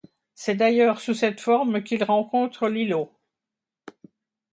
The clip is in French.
C'est d'ailleurs sous cette forme qu'il rencontre Lilo.